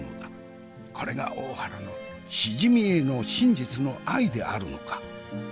これが大原のしじみへの真実の愛であるのか？